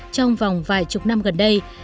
trong vòng vài chục năm gần đây